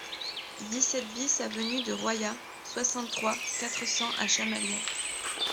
dix-sept BIS avenue de Royat, soixante-trois, quatre cents à Chamalières